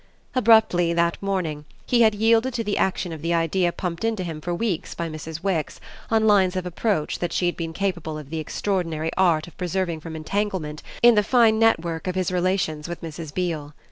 Abruptly, that morning, he had yielded to the action of the idea pumped into him for weeks by Mrs. Wix on lines of approach that she had been capable of the extraordinary art of preserving from entanglement in the fine network of his relations with Mrs. Beale.